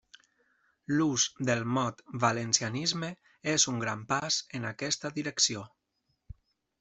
L'ús del mot valencianisme és un gran pas en aquesta direcció.